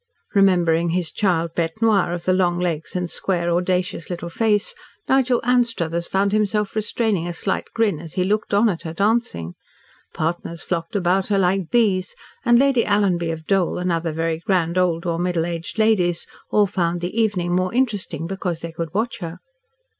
Remembering his child bete noir of the long legs and square, audacious little face, Nigel Anstruthers found himself restraining a slight grin as he looked on at her dancing. Partners flocked about her like bees, and Lady Alanby of Dole, and other very grand old or middle aged ladies all found the evening more interesting because they could watch her.